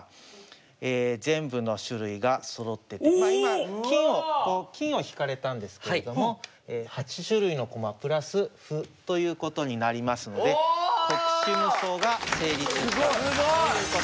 ええ全部の種類がそろっててまあ今金を引かれたんですけれども８種類の駒プラス歩ということになりますので国士無双が成立したということになります。